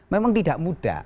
memang tidak mudah